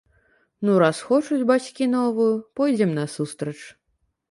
Ну раз хочуць бацькі новую, пойдзем насустрач.